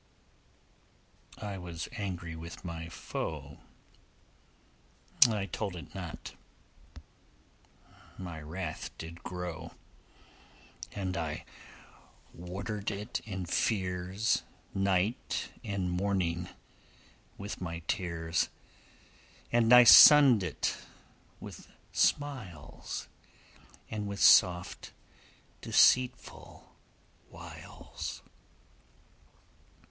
I was angry with my foe: I told it not, my wrath did grow. And I watered it in fears Night and morning with my tears, And I sunnèd it with smiles And with soft deceitful wiles.